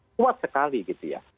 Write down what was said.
kuat sekali gitu ya